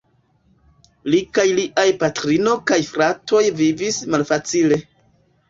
Li kaj liaj patrino kaj fratoj vivis malfacile.